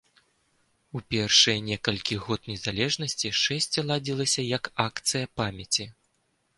У першыя некалькі год незалежнасці шэсце ладзілася як акцыя памяці.